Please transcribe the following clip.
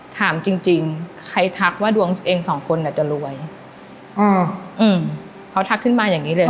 ถามจริงใครทักว่าดวงเองสองคนน่ะจะรวยเขาทักขึ้นมาอย่างนี้เลย